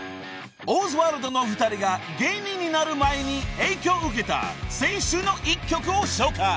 ［オズワルドの２人が芸人になる前に影響を受けた青春の一曲を紹介］